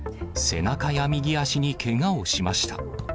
背中や右足にけがをしました。